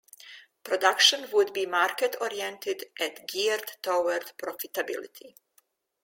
Production would be market oriented and geared toward profitability.